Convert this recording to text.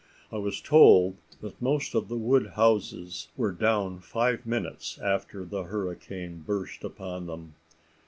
I was told, that most of the wood houses were down five minutes after the hurricane burst upon them.